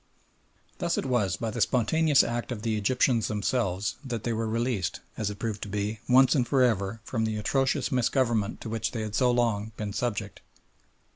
Thus it was by the spontaneous act of the Egyptians themselves that they were released, as it proved to be, once and for ever from the atrocious misgovernment to which they had so long been subject.